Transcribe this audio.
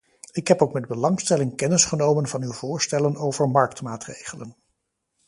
Ik heb ook met belangstelling kennis genomen van uw voorstellen over marktmaatregelen.